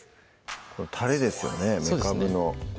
このたれですよねめかぶのそうですね